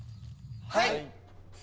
はい！